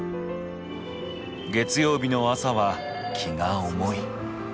月曜日の朝は気が重い。